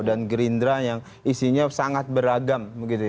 dan gerindra yang isinya sangat beragam